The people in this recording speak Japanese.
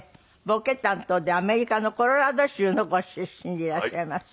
ボケ担当でアメリカのコロラド州のご出身でいらっしゃいます。